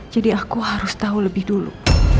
jadi aku harus tau lebih dulu